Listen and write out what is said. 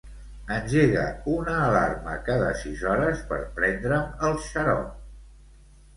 Engega una alarma cada sis hores per prendre'm el xarop.